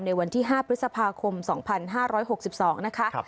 ในวันที่๕พฤษภาคม๒๕๖๒นะคะ